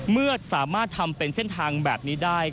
เมื่อสามารถทำเป็นเส้นทางแบบนี้ได้